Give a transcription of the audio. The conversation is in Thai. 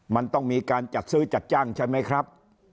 มันต้องมีการจัดซื้อจัดจ้างใช่ไหมครับ